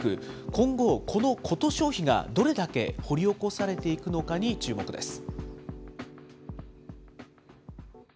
今後、このコト消費がどれだけ掘り起こされていくのかに注目です。